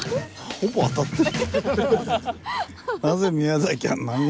ほぼ当たってる。